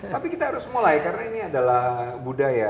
tapi kita harus mulai karena ini adalah budaya